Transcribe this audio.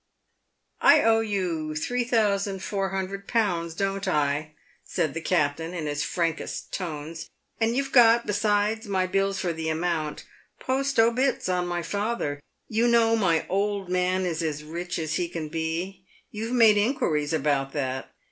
" I owe you three thousand four hundred pounds, don't I ?" said the captain, in his frankest tones, "and you've got, besides my bills for the amount, post obits on my father. You know my old man is as rich as he can be. You've made inquiries about that.